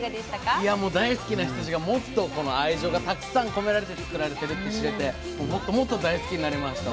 いやもう大好きな羊がもっとこの愛情がたくさん込められて作られてるって知れてもっともっと大好きになりました。